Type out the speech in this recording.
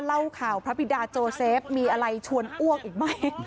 เล่าข่าวพระบิดาโจเซฟมีอะไรชวนอ้วกอีกไหม